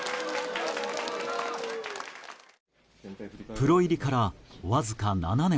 プロ入りからわずか７年。